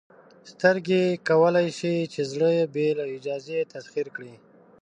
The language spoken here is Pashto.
سترګې کولی شي چې زړه بې له اجازې تسخیر کړي.